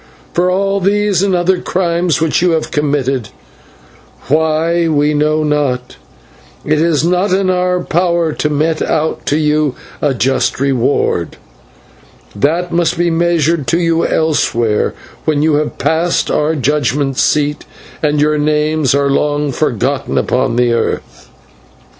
For all these and other crimes which you have committed why we know not it is not in our power to mete out to you a just reward. That must be measured to you elsewhere, when you have passed our judgment seat and your names are long forgotten upon the earth.